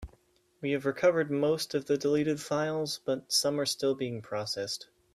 We have recovered most of the deleted files, but some are still being processed.